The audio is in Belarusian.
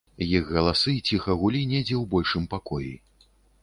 Іх галасы ціха гулі недзе ў большым пакоі.